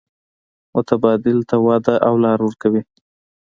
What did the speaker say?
متبادل ته وده او لار ورکوي.